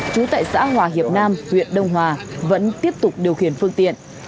trú tại xã hòa hiệp nam huyện đông hòa vẫn tiếp tục điều khiển phương tiện